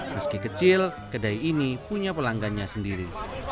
meski kecil kedai ini punya pelanggannya sendiri